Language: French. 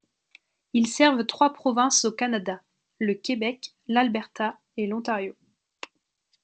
Ils servent trois provinces au Canada: le Québec, l'Alberta et l'Ontario.